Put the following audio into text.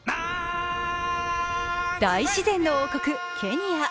大自然の王国・ケニア。